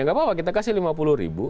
nggak apa apa kita kasih lima puluh ribu